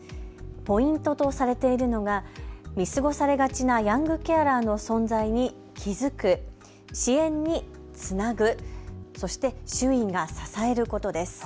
ポイントとされているのが見過ごされがちなヤングケアラーの存在に気付く、支援につなぐ、そして周囲が支えることです。